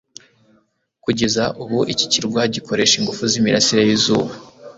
Kugeza ubu iki kirwa gikoresha ingufu z'imirasire y'izuba